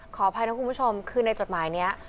ขออภัยนะคุณผู้ชมคือในจดหมายนี้